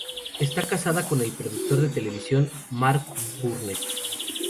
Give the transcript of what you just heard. Está casada con el productor de televisión Mark Burnett.